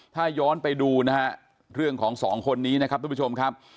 ถ้าย้อนไปดูนะฮะเรื่องของสองคนนี้นะครับทุกผู้ชมครับ